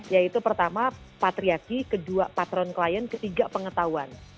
yaitu pertama patriaki kedua patron klien ketiga pengetahuan